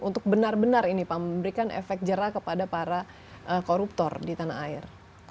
untuk benar benar ini pak memberikan efek jerah kepada para koruptor di tanah air